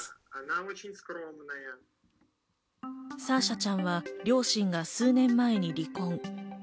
サーシャちゃんは両親が数年前に離婚。